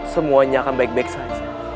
semuanya akan baik baik saja